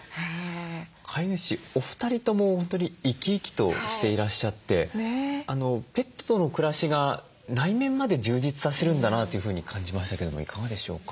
飼い主お二人とも本当に生き生きとしていらっしゃってペットとの暮らしが内面まで充実させるんだなというふうに感じましたけれどもいかがでしょうか？